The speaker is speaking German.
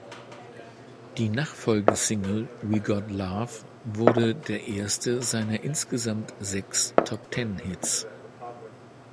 Die Nachfolgesingle "We Got Love" wurde der erste seiner insgesamt sechs Top-Ten-Hits.